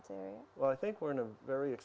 saya pikir kita berada dalam